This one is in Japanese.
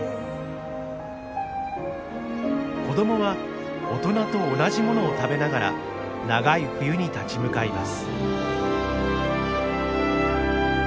子どもはおとなと同じものを食べながら長い冬に立ち向かいます。